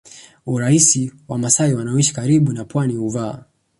urahisi Wamasai wanaoishi karibu na pwani huvaa